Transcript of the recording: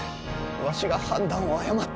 わしが判断を誤った。